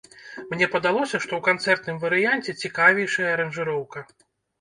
Мне падалося, што ў канцэртным варыянце цікавейшая аранжыроўка.